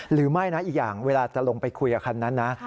หรือไม่นะอีกอย่างเวลาจะลงไปคุยกับคันนั้นนะ